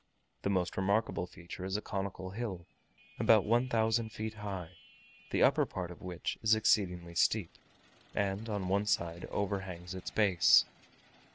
The most remarkable feature is a conical hill, about one thousand feet high, the upper part of which is exceedingly steep, and on one side overhangs its base.